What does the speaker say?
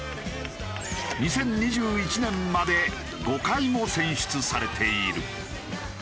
２０２１年まで５回も選出されている。